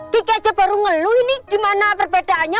kik aja baru ngeluh ini gimana perbedaannya